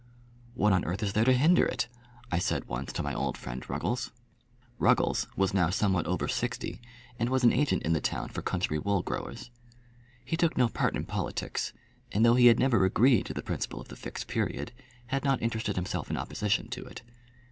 "What on earth is there to hinder it?" I said once to my old friend Ruggles. Ruggles was now somewhat over sixty, and was an agent in the town for country wool growers. He took no part in politics; and though he had never agreed to the principle of the Fixed Period, had not interested himself in opposition to it.